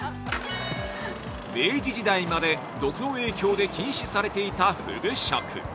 ◆明治時代まで、毒の影響で禁止されていた「ふぐ食」